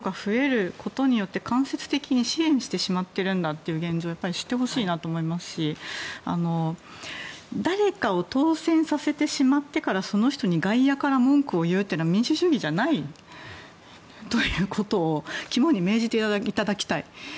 政治に関心がないといって投票に行かない人が増えることによって間接的に支援してしまっているんだという現状を知ってほしいと思いますし誰かを当選させてしまってからその人に外野から文句を言うのは民主主義じゃないということを肝に銘じていただきたい。